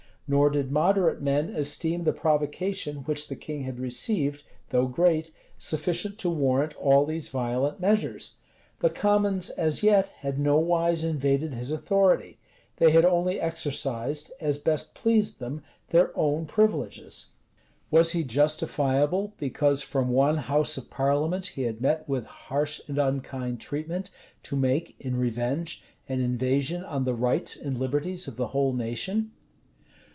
Nor did moderate men esteem the provocation which the king had received, though great, sufficient to warrant all these violent measures. The commons as yet had nowise invaded his authority: they had only exercised, as best pleased them, their own privileges. Was he justifiable, because from one house of parliament he had met with harsh and unkind treatment, to make, in revenge, an invasion on the rights and liberties of the whole nation?